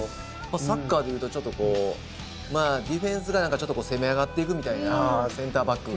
サッカーで言うとちょっとこうディフェンスがちょっと攻め上がっていくみたいなセンターバックが。